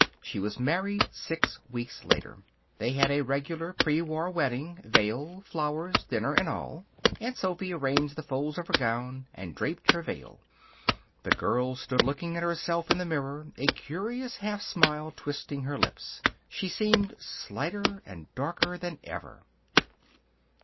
She was married six weeks later. They had a regular prewar wedding veil, flowers, dinner, and all. Aunt Sophy arranged the folds of her gown and draped her veil. The girl stood looking at herself in the mirror, a curious half smile twisting her lips. She seemed slighter and darker than ever.